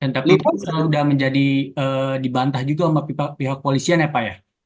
tapi itu sudah menjadi dibantah juga oleh pihak polisian ya pak ya